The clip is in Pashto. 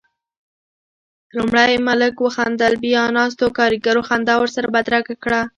لومړی ملک وخندل، بيا ناستو کاريګرو خندا ورسره بدرګه کړه.